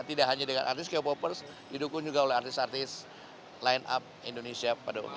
tidak hanya dengan artis k popers didukung juga oleh artis artis line up indonesia pada umumnya